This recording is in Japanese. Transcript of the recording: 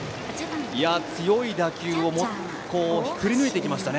強い打球を振り抜いていきました。